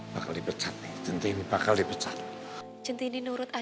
wah ya ha bener